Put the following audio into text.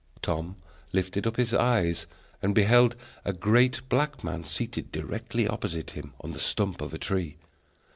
Tom lifted up his eyes and beheld a great black man seated directly opposite him, on the stump of a tree.